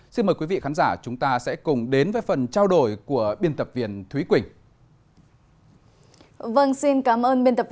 xin mời quý vị khán giả chúng ta sẽ cùng đến với phần trao đổi của biên tập viên thúy quỳnh